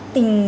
tỉnh lạng sơn